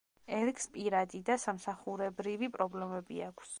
ერიკს პირადი და სამსახურებრივი პრობლემები აქვს.